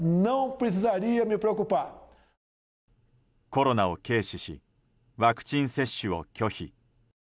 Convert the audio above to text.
コロナを軽視しワクチン接種を拒否。